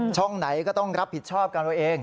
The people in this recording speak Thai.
ช่องไหนก็ต้องรับผิดชอบกันตัวเอง